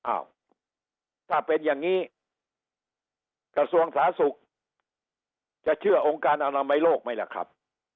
อ้าวถ้าเป็นอย่างนี้กระทรวงสาธารณสุขจะเชื่อองค์การอนามัยโลกไหมล่ะครับ